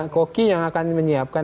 koki yang akan menyiapkan